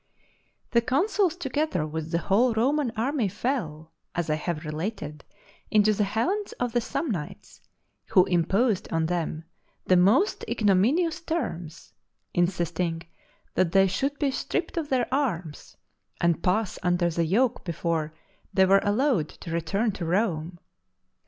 _ The consuls together with the whole Roman army fell, as I have related, into the hands of the Samnites, who imposed on them the most ignominious terms, insisting that they should be stripped of their arms, and pass under the yoke before they were allowed to return to Rome.